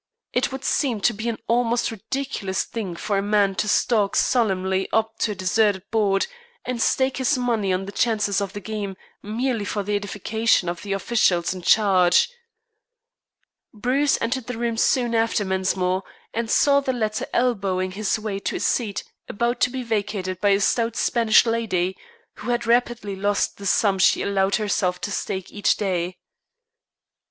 It would seem to be an almost ridiculous thing for a man to stalk solemnly up to a deserted board and stake his money on the chances of the game merely for the edification of the officials in charge. Bruce entered the room soon after Mensmore, and saw the latter elbowing his way to a seat about to be vacated by a stout Spanish lady, who had rapidly lost the sum she allowed herself to stake each day.